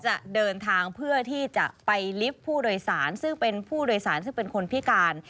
จะเดินทางเพื่อที่จะไปลิฟต์ผู้โดยสารซึ่งเป็นผู้โดยสารซึ่งเป็นคนพิการ